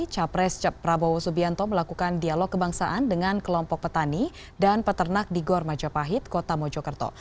capres prabowo subianto melakukan dialog kebangsaan dengan kelompok petani dan peternak di gor majapahit kota mojokerto